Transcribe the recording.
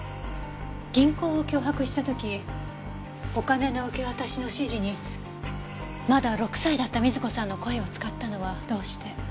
銀行を脅迫した時お金の受け渡しの指示にまだ６歳だった瑞子さんの声を使ったのはどうして？